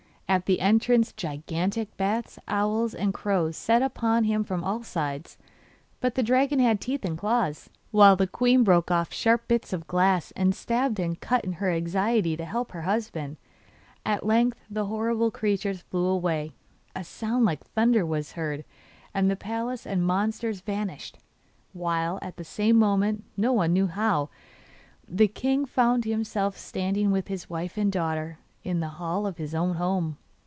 At the entrance gigantic bats, owls, and crows set upon him from all sides; but the dragon had teeth and claws, while the queen broke off sharp bits of glass and stabbed and cut in her anxiety to help her husband. At length the horrible creatures flew away; a sound like thunder was heard, the palace and the monsters vanished, while, at the same moment no one knew how the king found himself standing with his wife and daughter in the hall of his own home.